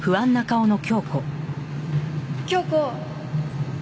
京子。